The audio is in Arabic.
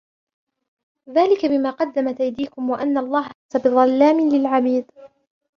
ذلك بما قدمت أيديكم وأن الله ليس بظلام للعبيد